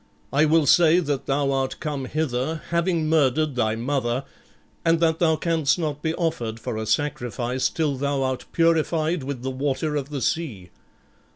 I will say that thou art come hither, having murdered thy mother, and that thou canst not be offered for a sacrifice till thou art purified with the water of the sea.